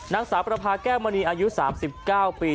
นักสาวประพาแก้มณีอายุสามสิบเก้าปี